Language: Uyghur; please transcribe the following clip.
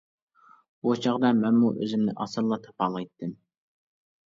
بۇ چاغدا مەنمۇ ئۆزۈمنى ئاسانلا تاپالايتتىم.